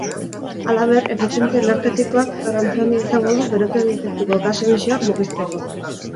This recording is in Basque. Halaber, efizientzia energetikoak garrantzi handia izango du berotegi efektuko gas emisioak murrizteko.